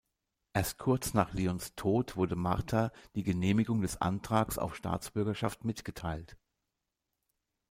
Erst kurz nach Lions Tod wurde Marta die Genehmigung des Antrags auf Staatsbürgerschaft mitgeteilt.